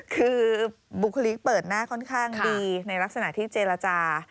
คือบุคลิกเปิดหน้าค่อนข้างดีในลักษณะที่เจรจา